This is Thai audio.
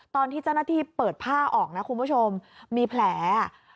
ตอนที่เจ้าหน้าที่เปิดผ้าออกนะคุณผู้ชมมีแผลอ่ะ